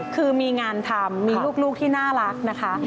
คือมีงานทำมีลูกที่น่ารักนะคะ